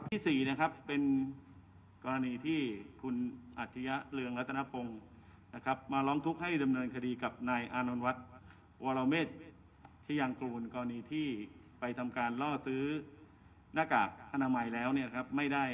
ที่๔นะครับเป็นกรณีที่คุณอัจฉริยะเรืองรัตนพงศ์นะครับมาร้องทุกข์ให้ดำเนินคดีกับนายอานนท์วัดวรเมษที่ยังกรูนกรณีที่ไปทำการล่อซื้อหน้ากากอนามัยแล้วเนี่ยนะครับไม่ได้